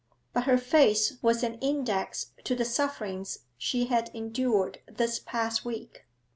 But her face was an index to the sufferings she had endured this past week.